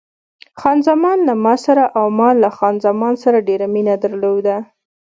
خان زمان له ما سره او ما له خان زمان سره ډېره مینه درلوده.